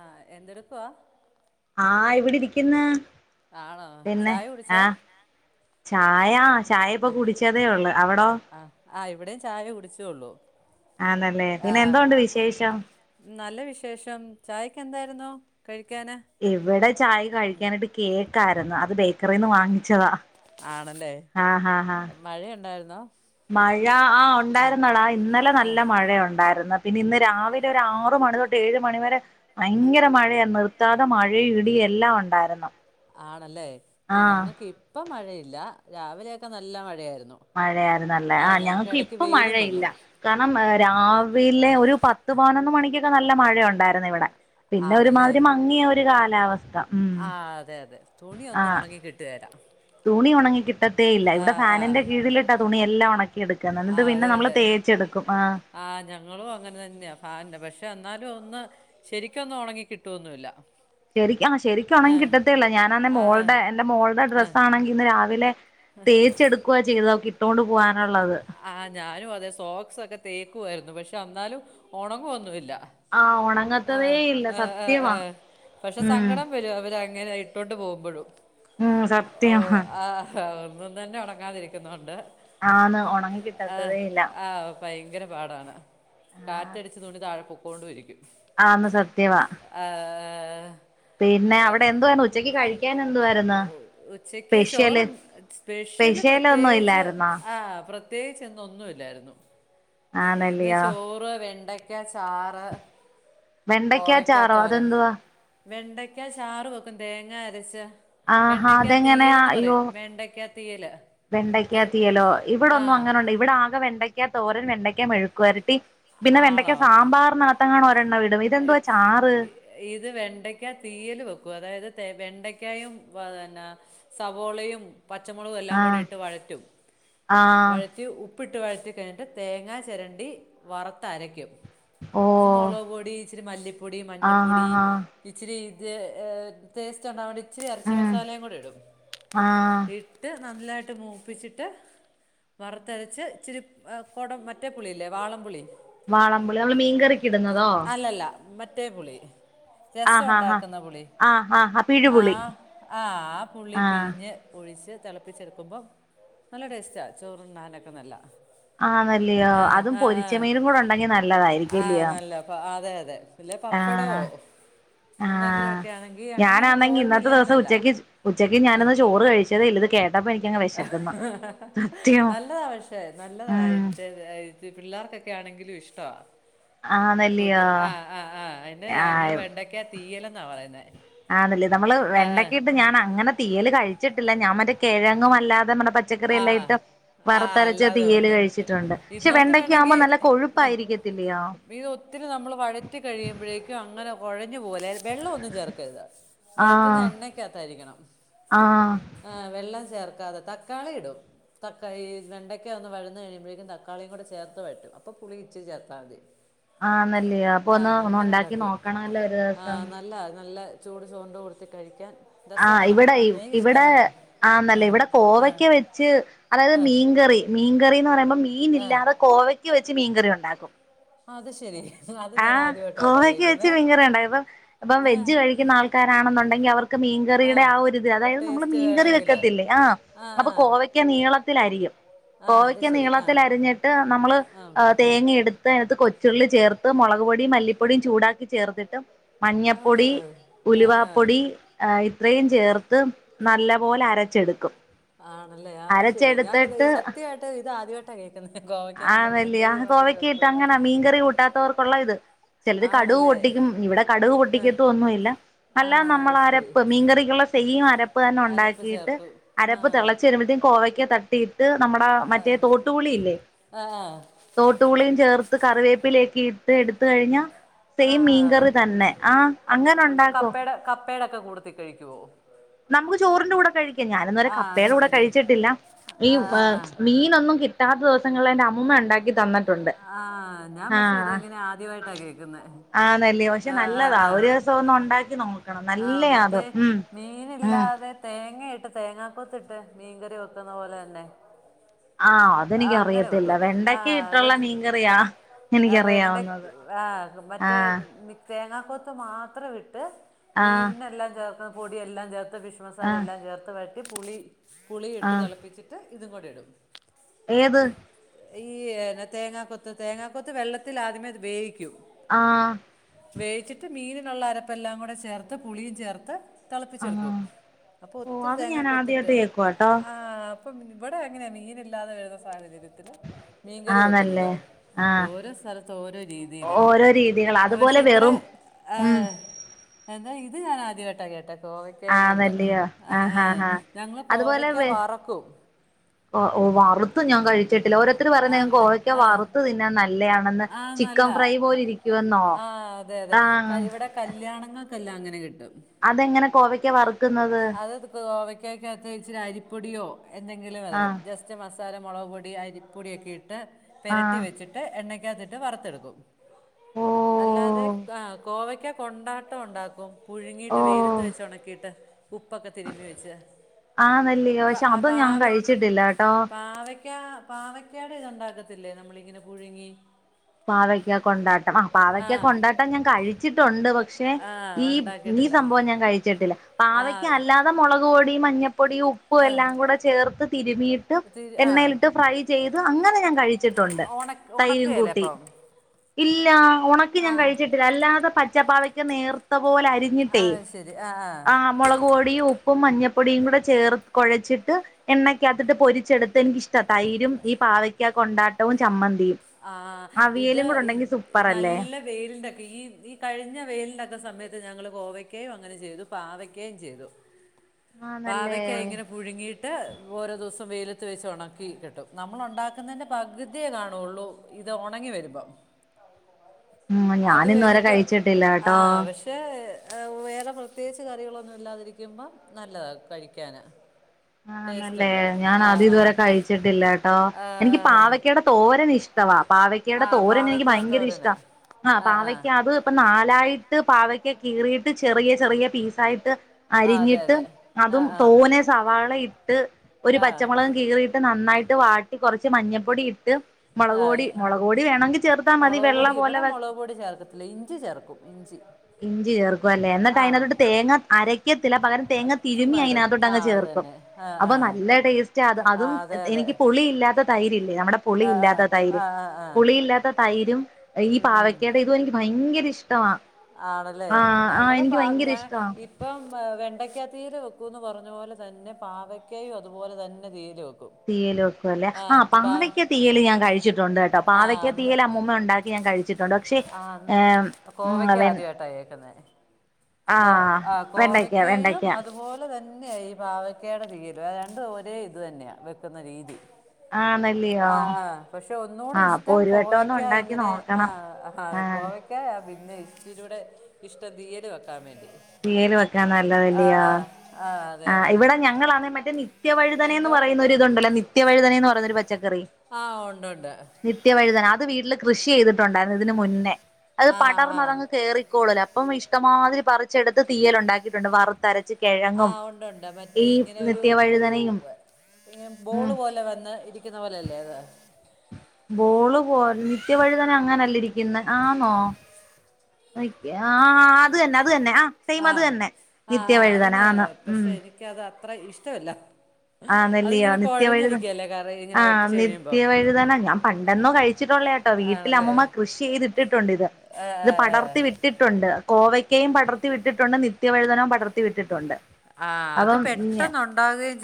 ആഹ എന്തെടുക്കുവവാ ആഹ് ഇവിടെ ഇരിക്കുന്ന ആണോ ചായ കുടിച്ചോ ആായാ ആഹ് ആ ഇവിടെയും ചായ കുടിച്ചെ ഒള്ളൂ ആന്നല്ലേ ആ പിന്നെ എന്തോണ്ട് വിശേഷം നല്ല വിശേഷം ചായക്ക് എന്താ രുന്നോ എവിടെ ചായ കഴിക്കാനായിട്ട് കേ ക്കാരുന്നു അത് ബേക്കറിന്ന് വാങ്ങിച്ചതാ. ആണല്ലേ ആഹ് ഹാ ഹാ മഴയുണ്ടായിരുന്നു. ന്നോ മഴ ആ ഒണ്ടായിരുന്നട ഇന്നലെ നല്ല മഴ ഒണ്ടായിരുന്ന്. പിന്നെ ഇന്ന് രാവിലെ ഒര് ആറു മണി തൊട്ട് ഏഴ് മണിവരെ ഭയങ്കര മഴയർന്നു നിർ ത്താത മഴയും ഇടി എല്ലാം ഒണ്ടായിരുന്ന്. ആണല്ലേ ആ ഞങ്ങക്ക് ഇപ്പം മഴയില്ല രാവിലെയൊക്കെ നല്ല മഴയായിരുന്നു. മഴയായിരുന്നല്ലേ ആ ആഹ് ഞങ്ങക്ക് ഇടക്ക് ഇപ്പൊ വെയിലും മഴയില്ല. വന്നു കാരണം രാവിലെ ഒരു പത്ത് പതിനൊന്ന് മണിക്ക് നല്ല മഴ ഒണ്ടായിരുന്ന് ഇവടെ പിന്നെ ആണല്ലേ ഒരുമാതിരി മങ്ങിയ ഒരു കാ ലാവസ് ആ അതെ അതെ തുണി ഒന്നും ഒണങ്ങി കിട്ടുകേല. തുണി ഒണങ്ങി കിട്ടത്തേ ഇല്ല ആ ഇവിടെ ഫാനിന്റെ ആ കീഴിലിട്ടാ തുണി എല്ലാം ഒണക്കിട്ക്ക്ക. ആ എന്നിട്ട് പിന്നെ അതെ നമ്മള് അതെ തേച്ചെടുക്കും. ആഹ്. ആ ന്നാലും ഒന്ന് ശരിക്കൊന്നും ഒണങ്ങി കിട്ടുവൊന്നും ഇല്ല. ചെറി ആഹ് ശെരിക്കും ഒണങ്ങി കിട്ടത്തെല്ല. ഞാനാന്നെ ആ ആ മോളുടെ എന്റെ മോളുടെ ആ ഡ്രസ്സ് ആണെങ്കി ഇന്ന് രാവിലെ തേച്ചെടുക്കുവാ ചെയ്തോക്കി ട്ടോണ്ട് പോവാനുള്ള ആഹ് ഞാനും അതെ സോക്സ് ഒക്കെ തേക്കുആയിരു പക്ഷെ എന്നാലും ഒണങ്ങും ഒന്നുംല്ല ആ ആ ഉണങ്ങത്തതേ ഇല്ല ആ ആഹ് സത്യവാ ആഹ് പക്ഷെ ഉം സങ്കടം വരും അവര് അങ്ങനെയി ട്ടോണ്ട് പോകുമ്പോഴു ഉം ഓ സത്യം ആ ആഹ ഒന്നും തന്നെ ഓണങ്ങാതിരിക്കുന്നോണ്ട് ആഹണ് ഒണങ്ങി കിട്ടത്തതേ ഇല്ല. ങ്കര പാടാണ്. ആഹ് കാറ്റടിച്ച് തുണി താഴെ പൊ പൊ ണ്ടിരിക്കും ആന്ന് സത്യവാ ആ ആ പിന്നെ അവിടെ എന്ത് വ ഉച്ചക്ക് കഴിക്കാൻ എന്ത്‌ വ ഉച്ചക്ക് ചോറു ണ്ട് സ്പെഷ്യല് സ്പെഷ്യലൊന്നും പ്രത്യേകിച്ച് ഇല്ലായിരുന്നോ ആ പ്രത് പ്രത്യേകിച്ച് ഇന്ന് ഒന്നുമില്ലായിരുന്നു എന്ന് ആന്നല്ലിയോ ചോറ് വെണ്ട ക്കാ ചാറ് വെണ്ടയ്ക്കാ ചാറോ അതെന്തുവാ വെണ്ടയ്ക്കാ ചാറ് വക്കും തേങ്ങ അരച്ച് ആഹാ വെണ്ടയ്ക്ക അതെങ്ങനെയാ തീയലെന്ന് അയ്യോ പറയും വെണ്ടയ്ക്ക തീയല് വെണ്ടയ്ക്ക തെ തീയലോ ഇവിടെന്നും ആഹ് അങ്ങനണ്ട് ഇവിടെ ആകെ വെണ്ട ക്ക തോരൻ വെണ്ടയ്ക്കാ മെഴുക്കുപെരട്ടി പിന്നെ വെണ്ടക്ക സാമ്പാറിനാ ത്തെങ്ങാണൊ ഇ ഇത് വെണ്ടയ്ക്ക തീയൽ വെക്കും അതായത് വെണ്ടയ്ക്കായും വയ ന്ന സവോളയും പച്ചമുളകും എല്ലാം കൂടി ആഹ് ഇട്ട് വഴറ്റും ആഹ് വഴറ്റി ഉ പ്പിട്ട് വഴറ്റി കഴിഞ്ഞിട്ട് തേങ്ങാ ചിരണ്ടി വറുത്തരയ്ക്കും ഓ ഇച്ചിരി മല്ലി പൊടി മഞ്ഞപ്പൊടി ഇച്ചിരി തെ ടേസ്റ്റുണ്ടാവേണ്ടി ഇച്ചിരി എറച്ചി ഉം മസാലയും കൂടി ഇടും ആഹ് ഇട്ട് നല്ലായിട്ട് മൂപ്പിച്ചിട്ട് വറുത്തരച്ച് ഇച്ചിരി കുടം മറ്റേ പുളില്ലേ വാളംപുളി വാളംപുളി നമ്മള് മീൻകറിക്കി ഇടുന്നതോ അല്ലല്ല മ റ്റേ പുളി രസം ആഹ് ആഹ് ആഹ് ഉണ്ടാക്കുന്ന പുളി ആഹ് ആഹ് ആ പിഴുപുളി ആ പുളി ആഹ് പിഴിഞ്ഞ് ഒഴിച്ച് തിളപ്പിച്ചെടുക്കുമ്പോം നല്ല ടേസ് റ്റാ ചോറ്ണ്ണാനൊക്കെ നല്ലാ ആഹ് നല്ലയോ അതും പൊരിച്ചമീനും കൂടെ ഉണ്ടെങ്കി നല്ലതായിരിക്കും ആഹ് ഇല്ലിയോ നല്ല പ അതെ അതെ ഇല്ലെ ആ പപ്പടോ ആ എന്തെങ്കിലുമൊക്കെ ആണെങ്കി അങ്ങനെയാണ് ഞാനാന്നെങ്കി ഇന്നത്തെ തോരനില്ലേലും ദിവസം നല്ല ഉച്ചക്ക് ഉച്ചക്ക് ഞാനൊന്ന് ചോറ് കഴിച്ചതെ ഇല്ല ഇത് കേ ഹ്ഹ നല്ലതാ പക്ഷേ നല്ലതാ ഉം എന്റെ ഇത് പിള്ളേർക്കൊക്കെ ആണെങ്കിലു വേ ഇഷ്ടവാ കൂട്ടി ആന്നല്ലയോ ആ ആ ആഹ് ആയിന് ഞങ്ങള് വെണ്ടക്ക തീയലെന്നാ പറയുന്ന ആണല്ലേ നമ്മള് വെണ്ടയ്ക്കെയിട്ട് ഞാൻ അങ്ങനെ തീയല് കഴിച്ചിട്ടില്ല ഞാൻ മറ്റേ കിഴങ്ങും അല്ലാ തമ്മ ള് ആഹ് ആ അല്ലാതെ തീയല് നോക്കും കഴിച്ചിട്ടുണ്ട് പക്ഷെ ഇതിനകത്ത് വെണ്ടയ്ക്ക ആവുമ്പോ വേണമെങ്കി നല്ല കൊഴുപ്പായിരിക്കത്തില്ലയോ ഇത് ഒത്തിരി നമ്മൾ വഴറ്റി കഴിയുമ്പഴേക്കും അങ്ങനെ കൊഴ ഞ്ഞപോലെ വെള്ളം ഒന്നുചേർക്കരുത് വഴറ്റുന്നത് ആഹ് എണ്ണയ്ക്കാത്തരിക്കണം ആഹ് ആ വെള്ളം ചേർ [unintelligible] തക്കാളി ഇടും താക്കാ ഈ വെണ്ടയ്ക്ക ഒന്ന് വഴന്ന് കഴിയുമ്പോഴേക്കും തക്കാളിയും കൂടെ ചേർത്ത് വാഴറ്റും അപ്പോ പുളി ഇച്ചിരി ചേർത്താ മതി. ആന്നല്ലിയോ അപ്പോ ആ ഒന്ന് ഒന്ന് അങ്ങനെ ഒണ്ടാക്കി ഉണ്ടാക്കും നോക്കണല്ലോ ഒരു ആ ദിവസം. നല്ല നല്ല ചൂട് ചോറിന്റെ കൂടത്തി കഴിക്കാൻ ആഹ് രസമാണ് ഇവിടെ ഇവിടെ എനിക്കിഷ്ടമാണ് ആ ആന്നല്ലേ ഇവിടെ കോ ആ കോവയ്ക്ക വെച്ച് അതായത് ആ മീൻകറി മീൻകറിന്ന് പറയുമ്പം മീൻ ആ മീനില്ലാതെ കോവയ്ക്ക വച്ച് ച്ച് മീൻകറി ഉണ്ടാക്കും അത് ശെരി ആഹ് കോവയ്ക്ക വെച്ച് മീൻകറി ഉണ്ടാക്കാം ഇപ്പം ഇപ്പം ആ വെജ് കഴിക്കുന്ന ആൾക്കാരാണെന്നുണ്ടെങ്കി അവർക്ക് മീൻകറിയുടെ ആ ഒരിത് അതായത് നമ്മള് ടേസ്റ്റ് മീൻകറി വേണമെങ്കില് വെക്കത്തില്ലേ ആ അപ്പോ കോവയ്ക്ക നീളത്തി ത്തിലരിയും ആ അത് കോവയ്ക്ക ശരി ആ നീളത്തിൽ അരിഞ്ഞിട്ട് നമ്മള് ആ തേങ്ങ എടു ഇതിനാത്ത് കൊച്ചുള്ളി ചേർത്ത് മുളക് പൊടിയും മല്ലിപ്പൊടിയും ചൂടാക്കി ചേർത്തിട്ട് മഞ്ഞപ്പൊടി ആ ഉലുവാപ്പൊടി ഇത്രയും ചേർത്ത് നല്ല പോലെ അരച്ചെടുക്കും. ആണല്ലേ അത് ശെരി ഞാനിത് അരച്ചെടുത്തിട്ട് സത്യമായിട്ട് ഇത് ആദ്യായിട്ടാ കേൾക്കുന്നത് കോവയ്ക്ക കൊണ്ട് ആന്നല്ലിയ മീൻകറി മോഡല് വെക്കുന്ന് കൊള്ളായിത് ചിലര് കടുക് പൊട്ടിക്കും ഇവിടെ കടുകു ആ പൊട്ടിക്കത്തു ഒന്നുല്ല ആ അല്ല അത് നമ്മള് ശരി അരപ്പ് മീൻകറിക്കുള്ള സെയിം അരപ്പ് അപ്പ് തന്നെ അരപ്പ് ഉണ്ടാക്കിയിട്ട് ചേർക്കും ആ അരപ്പ് തിളച്ചു വരുമ്പത്തേക്കും കോവയ്ക്ക തട്ട് ട്ടി ത് നമ്മടെ മറ്റേ തോട്ടുപുളില്ലേ ആ തോട്ടുപുളിയും ചേർത്ത് കറിവേപ്പിലേയും [unintelligible] എടുത്ത് കഴിഞ്ഞ ആ ആ സെയിം മീൻകറി തന്നെ ആ അങ്ങനെ ഉണ്ടാക്കും. പേടൊക്കെ കൂടത്തി കഴിക്കുവോ നമുക്ക് ചോറിന്റെ കൂടെ കഴി ഞാനൊന്നരെ അത് കപ്പയുടെ കൂടെ ശരി കഴിച്ചിട്ടില്ല ഈ ആ ആ ആ മീനൊന്നും കി ത ദിസങ്ങളെ എൻ്റെ അമ്മണ്ടാക്കി തന്നിട്ടുണ്ട് ആ ഞാൻ ആ പക്ഷേ ഇതെങ്ങനെ ആദ്യമായിട്ടാണ് കേൾക്കുന്നത് ആന്നല്ലേ പക്ഷെ ആ നല്ലതാ ആ ഒരു ദിവസം ഒന്നു ആ ഉണ്ടാക്കി നോക്കണം നല്ലയാത് ഉം ഉം ഇല്ലാതെ തേങ്ങ ഇ ഇട്ട് തേങ്ങാക്കൊത്തിട്ട് മീൻകറി വെക്കുന്ന പോലെ തന്നെ ആഹ അതെനിിക്ക അറിയത്തില്ല ആഹ അത് ആ വെണ്ട എനിക്കറിയാവുന്നത് ആഹ മറ്റേ ആഹ് തേങ്ങാക്കൊത്ത് മാത്രം ഇട്ട് ആഹ് മീൻ എല്ലാം കേ പൊടി എല്ലാം വിഷ്മസാര ആഹ് എല്ലാം ചേർത്ത് ഇ പുളി കുളി ഇട്ട് ആഹ് തിളപ്പിച്ചിട്ട് ഇതും കൂടി ഇടും ഏത് ഈെ തേങ്ങാാക്കൊത്ത് തേങ്ങാക്കൊത്ത് വെള്ളത്തിൽ ആദ്യമേ ഉപേോഗിക്കൂ ആഹ വേവിച്ചിട്ട് മീനിനുള്ള അരപ്പ എല്ലാം കൂടെ ചേർത്ത് പുളിയും ചേർത്ത് ആഹ് തിളപ്പിച്ചെടുക്കും അപ്പോൾ ഓ ഒത്തിരി അത് ഞാൻ തേങ്ങക്ക ഒത്തിട്ട് ആദ്യമായിട്ട് കേക്കുവാട്ടോ അപ്പം ഇവിടെ അങ്ങനെ മീനാതെ വരുന്ന സാഹചര്യത്തിും മീൻകറി ആന്നല്ലേ വെക്കുന്നത് ആഹ് ഓരോ സ്ഥലത്ത് ഓരോ രീതിയില് ഓരോ രീതികളാ പക്ഷെ അതുപോലെ ഇത്ര വെറും ഉം എന്താ ഇത് ഞാനാദ്യമായിട്ടാ കേട്ടത് ആഹ നല്ലിയോ ആഹ ഹ ആഹ ഞങ്ങൾ അതുപോലെ കോവയ്ക്ക വറക്കും വറുത്തും ഞാൻ കഴിച്ചിട്ടില്ല ഓര പറ ആണല്ലേ കോഴയ്ക്കെ ആ വറുത്ത്ുതിന്നെ നല്ല ആ നല്ല ആ അതെ അതെ ആഹ് ഇവിടെ കല്യാണങ്ങ എല്ല അങ്ങനെ കിട്ടും അതെങ്ങനെ കോവയ്ക്ക വറു അത്ത് ഗോവയ്ക്കൊക്ക അത്യേകിച്ച അരിപ്പൊടിയോ എന്തെങ്കിലും വതണം ആഹ് ജസ്റ്റ് സാലം മുളക് പൊടി അരിപ്പൊടിയൊക്കെ ഇട്ട് പെരട്ടി ആഹ് വെച്ചിട്ട് എണ്ണ ട്ട് വറത്തെടുക്കും ഓ അല്ലാതെ ആ കോവ ക്കെ കൊണ്ടാട്ടം ഉണ്ടാക്കും ഓ പുഴുങ്ങിയിട്ട് വെയിലത്ത് വെച്ച ഉണക്കിയിട്ട് ഉപ്പൊക്കെ തിരുമ്പി വെച്ച് ആന്നല്ലയോ ഇപ്പ പക്ഷെ ആ അതും ഞാൻ പാവ കഴിച്ചിട്ടില്ല കേട്ടോ പാവ പാവക്കാട് ഇത്ണ്ടാക്കത്തില്ലേ നമ്മളിങ്ങനെ പുഴുങ്ങി പവയ്ക്ക കൊണ്ടാ ആ പാവക്ക കൊണ്ടാട്ടാ ഞൻ കഴി ച്ചിട്ടുണ്ട് പക്ഷെ ആ ഈ ഈ ഉണ്ടാക്കിയിട്ടില്ല സംഭവം ഞാൻ കഴിച്ചിട്ടില്ല ആ പാവക്ക അല്ലാതെ മൊ ക് പൊടി മഞ്ഞ പൊടി ഉപ്പും എല്ലാം കൂടെ ചേർത്ത് തിരുമ്മിയിട്ട് തിരി ആ എണ്ണയിലിട്ട് ഫ്രൈ ചെയ്ത് അങ്ങനെ ഞാൻ കഴിച്ചിട്ടുണ്ട് ഉണ തൈരും ഉണക്കുകയല്ലേ കൂട്ടി അപ്പം ഇല്ലാ ഉണക്കി ഞാൻ കഴിച്ചിട്ടില്ല അല്ലാതെ പ ച്ചപ്പാവക്ക് നേർത്ത പോലെ അരിഞ്ഞിട്ടേ ആ മുളക് പൊടിയും പ്പും മഞ്ഞപ്പൊടിയും കൂടെ ചേർ കുഴച്ചിട്ട് എണ്ണയ്ക്കകത്തിട്ട് പൊരിച്ചെടുത്ത് എനിക്ക ഇഷ്ട തൈരും ഈ പാവയ്ക്ക കൊണ്ടാട്ടവും ചമ്മ ന്തിയും ആ ഇത് നല്ല വെയിലിന്റെക്കെ ഈ ഈ കഴിഞ്ഞ വെലിന്റെക്ക സയ ഞങ്ങള് കോവക്കയും അങ്ങനെ ചെയ്തു പാവക്കയും ചെയ്തു ആന്നല്ലേ പാവയ്ക്ക ഇങ്ങനെ പുഴുങ്ങിയിട്ട് ഓരോ ദിവസം വെയിലത്ത് വെച്ച് ഉണക്കി കിട്ടും നമ്മൾ ഉണ്ടാക്കുന്നതിന്റെ പകുതിയേ കാണുള്ളൂ ഇത് ഉണങ്ങി വരുമ്പോ ഉം ഞാന ഇന്ന വരെ കഴിച്ചിട്ടില്ല ട്ടോ പക്ഷേ വേറെ പ്രത്യേകിച്ച് കറികളൊന്നും ഇല്ലാതിരിക്കുമ്പം നല്ലതാണ് കഴിക്കാന് ആണല്ലേ ഞാൻ അത് ഇതുവരെ കഴിച്ചിട്ടില്ല ട്ടോ ആ എനിക്ക് ആ പാവക്കയുടെ തോരനിഷ് സവാ പാവക്കയുടെ ആ തോരൻ എനിക്ക് പാവയ്ക്ക ഭയങ്കര ഇഷ്ട തോരന് ആ പാവക്ക അത് ഇപ്പൊ നാലായി ക്ക് പാവക്ക കീറിയിട്ട് ചെറിയ ചെറിയ പീസായിട്ട് ആ അതെ അരിഞ്ഞിട്ട് അതെ ആ അതും ആ തോനെ സാ ളയിട്ട് ഒരു ആ പച്ച മൊളകും കീറി ട്ട് നന്നായിട്ട് വാട്ടി കൊറച്ച് മഞ്ഞപ്പൊടി ഇട്ട് മുളക് ആ പൊടി ഇ മുളക് പൊടി വേണമെങ്കിൽ ചേർത്താൽ മതി മുളക് വെള്ള പൊടി പോലെ ഇവിടെ മുളക് പൊടി ചേർക്കത്തില്ല ഇഞ്ചി ചേർക്കും ഇഞ്ചി ഇഞ്ചി ചേർക്കു അല്ലേ എന്നിട്ട് ആ അതിനകത്തോട്ട് തേങ്ങ അരക്കത്തില്ല പകരം തേങ്ങ തിരുമി ചുമ്മാ ഇടും അതിനകത്തോട്ട് ആ അങ്ങ് അത് ചേർക്കും തന്നെ ആ അപ്പൊ ആ നല്ല ടേസ്റ്റ് അ ആ അതും അതെ അതെ എനിക്ക് പൊളിയില്ലാ ത്ത തൈര് നമ്മുടെ ആ ആ പുളിയില്ലാത്ത തൈര് ആ ആ ആ പുളിയില്ലാത്ത തൈരും ഈ ഉം ഉം പാവക്കേടെ ഇതും എനിക്ക് ഭയങ്ക ഇഷ്ടവാ ആണല്ലേ ഞങ്ങള് പ ഞ ഇഷ്ടമാ ഇപ്പം വെൺ ണ്ടക്കാ തീയല് വയ്ക്കുന്ന് പറഞ്ഞ പോലെ തന്നെ പാവയ്ക്കയും അതുപോലെ തന്നെ തീയല് വയ്ക്കും തീയല് വക്കും അല്ലേ. ആ പാവയ്ക്ക തീയല് ഞാൻ കഴിച്ചിട്ടുണ്ട് കേട്ടോ. ആ പാവയ്ക്ക അന്ന് തീയല് അമ്മൂമ്മ ഉണ്ടാക്കി ഞാൻ കഴിച്ചിട്ടുണ്ട്. പക്ഷെ ആ ഏഹ് ഉം കോവയ്ക്ക വെ ആദ്യവായിട്ടാ കേൾക്കുന്നേ കോ ആഹ് ആ വെണ്ടയ്ക്ക കോവയ്ക്കായും വെണ്ടയ്ക്ക അതുപോലെ തന്നെയാ ഈ പാവക്കയുടെ തീയലും. രണ്ടും ഒരേ ഇതു തന്നെയാ വെക്കുന്ന രീതി ആണല്ലയോ ആ ആ പക്ഷെ ഒന്നൂടി ആഹ് അപ്പൊ ഇഷ്ടം ഒരു വട്ടം ഒന്ന് കോവയ്ക്ക ഉണ്ടാക്കി ഇങ്ങനെ ആ നോക്കണം ആ കോവക്കാ ബീ പിന്നെ ഇച്ചിരൂടെ ഇഷ്ടം തീയലു വക്ക ക്കാൻ വേണ്ടി തീയല് വെക്കാൻ നല്ല ആ വലിയാ ആ അതെ ആ അതെ ഇവിടെ ഞങ്ങളാണേ മറ്റേ നിത്യവഴുതനേ എന്ന് എന്തോ പറയുന്ന ഒരിതുണ്ടല്ലോ നിത്യവഴുതനേന്ന് പറയുന്നൊരു പച്ചക്കറി ആ ഉണ്ട് ഉണ്ട് നിത്യവഴുതന അത് വീട്ടില് കൃഷി ചെയ്തിട്ടുണ്ടായിരുന്നു. ഇതിന് മുന്നേ അത് ആ ആ പടർന്ന് അതങ്ങ് കേറി കൊള്ളൂലോ അപ്പം ഇഷ്ടമാതിരി പറിച്ചെടുത്ത് തീയല് ഉണ്ടാക്കിയിട്ടുണ്ട് വറുത്തരച്ച് ആ കിഴങ്ങും ഉണ്ട് ഉണ്ട് മറ്റേ ഈ ഇങ്ങനെ ഒരു ഒരു നിത്യവഴുതനയും ഇങ്ങനെ ഉം ബോള് പോലെ വന്ന് ഇരിക്കുന്ന പോലല്ലേ അത് ബോള് പോൽ നി ത്യവഴുതന അങ്ങനല്ല ഇരിക്കുന്നെ ആന്നോ ആ ആ അത് തന്നെ അത് തന്നെ ആ സെയിം അത് തന്നെ ആ നിത്യവഴുതനാന്ന് ത്ര ഇഷ്ടമല്ല ആണല്ലിയോ അതിങ്ങനെ നിത്യവഴുത കുഴഞ്ഞിരിക്കുകയല്ലേ കറി ഇങ്ങനെ ആഹ വെച്ച് കഴിയുമ്പം നിത്യവഴുതന ഞാൻ പണ്ടെന്നോ കഴിച്ചിട്ടുള്ളയാട്ടോ ആണല്ലേ വീട്ടിലമ്മൂമ്മ കൃഷി ചെയ്തിട്ടിട്ടുണ്ട് ഇത്. ആ ഇത് ആ, ആ. പടർത്തി വിട്ടിട്ടുണ്ട് കോവയ് ക്കയും പടർത്തി വിട്ടിട്ടുണ്ട് നിത്യവഴുതനോം പടർത്തി വിട്ടിട്ടുണ്ട്. ആ അത് പെട്ടെന്നു ഉണ്ടാകുകയും ചെ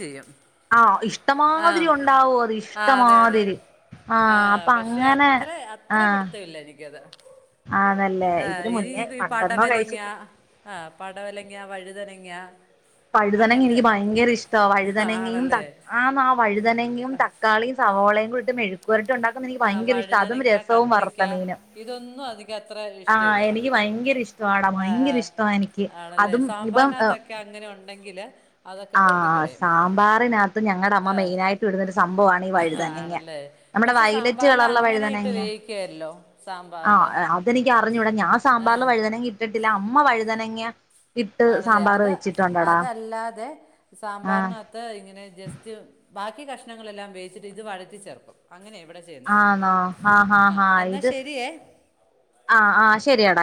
ആ ഇഷ് ഇഷ്ടംമാതിരി ഉണ്ടാവും അത്. ആ അതെ അതെ ഇഷ്ടംമാതിരി ആ അപ്പൊ അങ്ങനെ ആ യെതാ ആ ഇനി മുന്നേ ഇത് പണ്ടെന്നോ പടവലങ്ങ കഴിച്ചിട്ട് ആ പടവലങ്ങ വഴുതന ങ്യാ. വഴുതനങ്ങ എനിക്ക് ഭയങ്കര ഇഷ്ടാ. വഴുതനങ്ങയും ത ആണല്ലേ ആ വഴുതനങ്ങയും തക്കാളിയും സവാേളയും. [unintelligible] മെഴുക്കുപൊരട്ടി. ഉണ്ടാക്കുന്ന എനിക്ക് ആ ഭയങ്കര ഇഷ്ടാ. അതും വഴുതനങ്ങ രസവും, കത്രിക്ക വറുത്തമീനും. ഇതൊന്നും എനിക്ക് അത്ര ആ ഇഷ്ടമില്ല എനിക്ക് ഭയങ്കര ഇഷ്ട ആടാ ആ ആ ഭയങ്കര ഇഷ്ടമാണ് എനിക്ക് ആണല്ലേ അതും ഇപ്പം. സാമ്പാറിനകത്തൊക്കെ അങ്ങനെ ഉണ്ടെങ്കിൽ അതൊക്കെ ആ പെറുക്കിക്കളയും സാമ്പാറിനകത്ത് ഞങ്ങളുടെ അമ്മ ആ മെയിന ആയിട്ട് ഇടുന്നൊരു സംഭവമാണ് ഈ വഴുതന്നങ്ങ ആണല്ലേ നമ്മുടെ വ പക്ഷെ മറ്റ സാമ്പാറിൽ കളറില അങ്ങനെ ഇട്ട് വഴുതനങ്ങ വേവിക്കുകയല്ലോ ആ സാമ്പാറിൽ അതെനിക്ക് അറിഞ്ഞൂടാ ഞാൻ സാമ്പാറില് ആഹ് വഴുതന ഇട്ടിട്ടില്ല അമ്മ. അമ്മ വഴുതനങ്ങ. ഇട്ട് ആണല്ലേ സാമ്പാർ അത് വെച്ചിട്ട്. അതല്ലാതെ സാമ്പാറിനകത്ത് ഇങ്ങനെ ജസ്റ്റ്. ബാക്കി കഷ്ണങ്ങളെല്ലാം വേച്ചിട്ട് ഇത് വഴറ്റി ചേർക്കും അങ്ങനെ ഇവിടെ. ചെയ്യുന്നേ ആന്നോ ആ ഹാ ഹാ എന്നാൽ ഇത് ശരിയേ ആ ആ ശരിയാടാ.